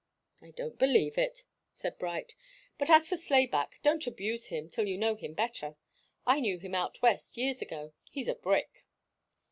"I don't believe it," said Bright. "But as for Slayback, don't abuse him till you know him better. I knew him out West, years ago. He's a brick."